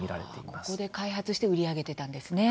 ここで開発して売り上げてたんですね。